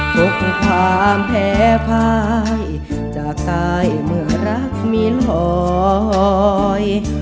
ทุกความแพ้ภายจากกายเมื่อรักมีลอย